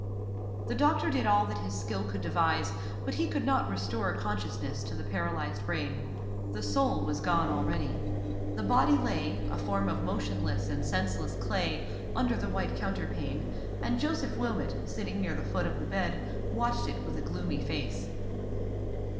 The doctor did all that his skill could devise, but he could not restore consciousness to the paralyzed brain. The soul was gone already. The body lay, a form of motionless and senseless clay, under the white counterpane; and Joseph Wilmot, sitting near the foot of the bed, watched it with a gloomy face.